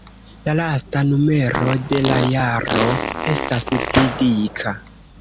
La lasta numero de la jaro estas pli dika.